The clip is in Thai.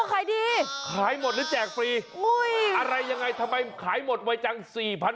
ขายดีขายหมดหรือแจกฟรีอะไรยังไงทำไมขายหมดวัยจังสี่พัน